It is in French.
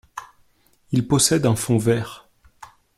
Il possède un fond vert.